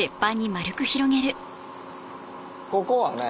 ここはね